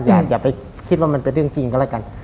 อย่าไปคิดว่ามันเป็นเรื่องจริงก็แล้วกัน